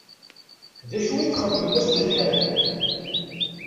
D acu i txeddmem ass n lḥedd?